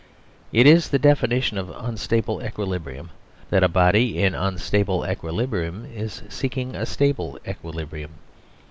It is the definition of unstable equilibrium that a body in unstable equilibrium is seeking a stable equilibrium.